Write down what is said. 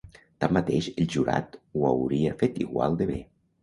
Tanmateix, el "jurat" ho hauria fet igual de bé.